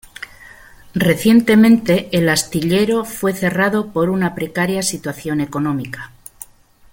Recientemente el astillero fue cerrado por una precaria situación económica.